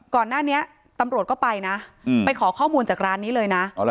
ก่อนหน้านี้ตำรวจก็ไปนะไปขอข้อมูลจากร้านนี้เลยนะ